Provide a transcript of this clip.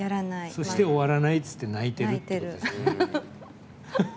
そして、終わらないって泣いていると。